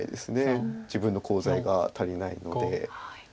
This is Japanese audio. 自分のコウ材が足りないので。